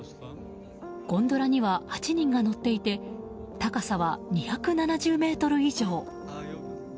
ゴンドラには８人が乗っていて高さは２７０ｍ以上。